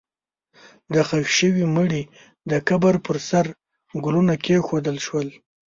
د ښخ شوي مړي د قبر پر سر ګلونه کېښودل شول.